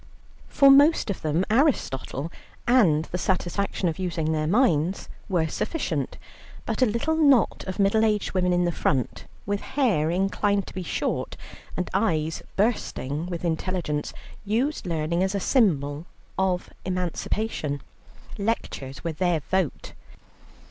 For most of them Aristotle, and the satisfaction of using their minds were sufficient, but a little knot of middle aged women in the front, with hair inclined to be short, and eyes bursting with intelligence, used learning as a symbol of emancipation. Lectures were their vote.